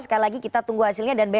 sekali lagi kita tunggu hasilnya dan